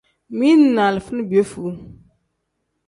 Mili ni alifa ni piyefuu.